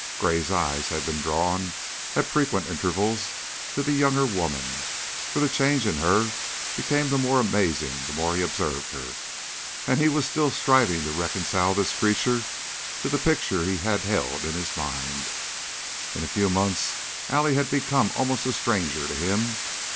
Gray's eyes had been drawn, at frequent intervals, to the younger woman, for the change in her became the more amazing the more he observed her, and he was still striving to reconcile this creature to the picture he had held in his mind. In a few months Allie had become almost a stranger to him.